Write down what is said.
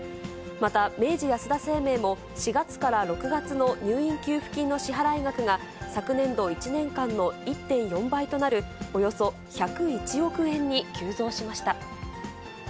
また、明治安田生命も、４月から６月の入院給付金の支払い額が、昨年度１年間の１．４倍となるおよそ１０１億円に急増しました。